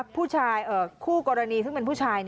คู่กรณีซึ่งเป็นผู้ชาย